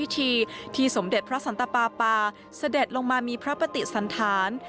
ที่สมเด็จพระสันตปาปาเสด็จลงมามีพระปฏิสันธาร